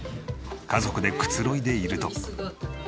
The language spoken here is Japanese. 家族でくつろいでいると。